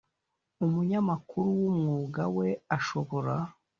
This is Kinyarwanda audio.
Umunyamakuru mu mwuga we ashobora